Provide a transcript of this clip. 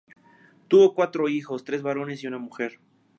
Tuvo cuatro hijos, tres varones y una mujer.